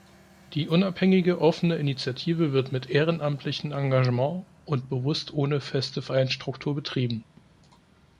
Die unabhängige, offene Initiative wird mit ehrenamtlichem Engagement und bewusst ohne feste Vereinsstruktur betrieben.